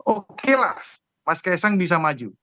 oke lah mas kaisang bisa maju